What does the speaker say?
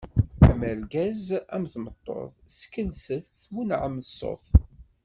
Am urgaz am tmeṭṭut, sskelset twennɛem ṣṣut!